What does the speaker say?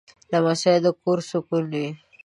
لمسی د کور سکون وي.